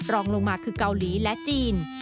รองลงมาคือเกาหลีและจีน